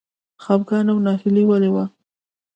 خپګان او ناهیلي ولې وه.